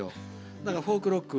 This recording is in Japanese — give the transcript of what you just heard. だからフォークロック。